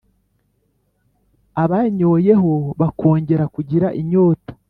abanyoyeho bakongera kugira inyota.